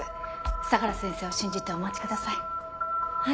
相良先生を信じてお待ちください。